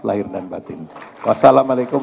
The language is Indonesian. lahir dan batin ⁇ wassalamualaikum